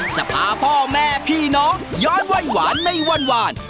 จะพาพ่อแม่พี่น้องย้อนวัยหวานในหวาน